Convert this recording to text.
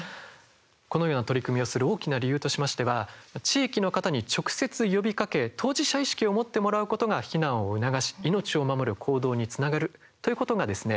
このような取り組みをする大きな理由としましては地域の方に直接呼びかけ当事者意識を持ってもらうことが避難を促し、命を守る行動につながるということがですね